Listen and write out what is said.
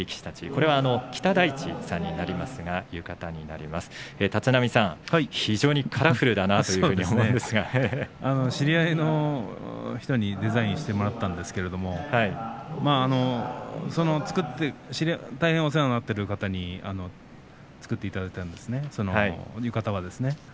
これは北大地さんになりますが立浪さん、非常にカラフルだなと知り合いの人にデザインしてもらったんですけれども大変お世話になっている方に作っていただいたんですね浴衣は。